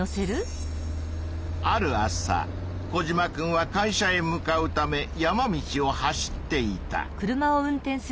ある朝コジマくんは会社へ向かうため山道を走っていた。